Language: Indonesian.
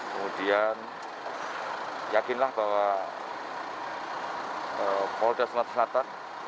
kemudian yakinlah bahwa polda semata senata